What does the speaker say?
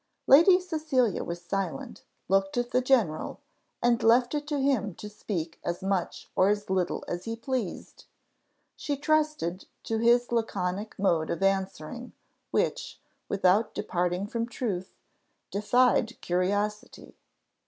Lady Cecilia was silent, looked at the general, and left it to him to speak as much or as little as he pleased. She trusted to his laconic mode of answering, which, without departing from truth, defied curiosity.